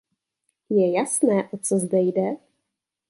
Je jasné, o co zde jde.